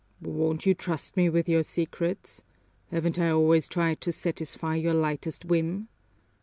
"Won't you trust me with your secrets? Haven't I always tried to satisfy your lightest whim?"